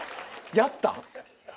やった？